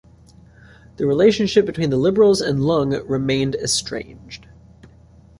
The relationship between the Liberals and Leung remained estranged.